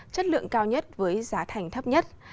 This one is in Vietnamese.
chất lượng cao nhất với giá thành thấp nhất